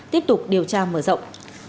tiếp tục điều tra mở rộng